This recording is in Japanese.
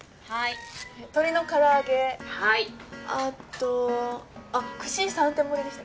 あとあっ串三点盛りでしたっけ？